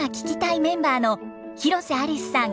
メンバーの広瀬アリスさん